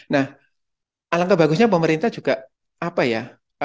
nah alangkah bagusnya pemerintah juga apa ya